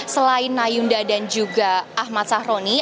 selain nayunda dan juga ahmad sahroni